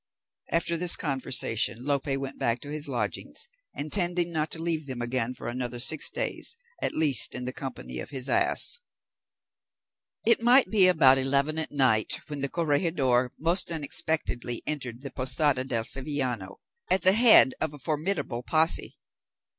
After this conversation Lope went back to his lodgings, intending not to leave them again for another six days, at least in company with his ass. It might be about eleven at night, when the corregidor most unexpectedly entered the Posado del Sevillano, at the head of a formidable posse.